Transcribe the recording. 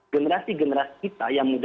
generasi generasi kita yang muda